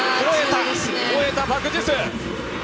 吠えたパク・ジス。